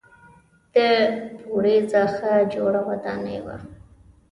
دوه پوړیزه ښه جوړه ودانۍ وه.